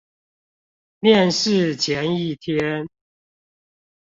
面試前一天